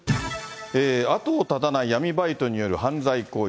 後を絶たない闇バイトによる犯罪行為。